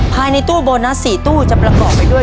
ภายในตู้โบนัส๔ตู้จะประกอบไปด้วย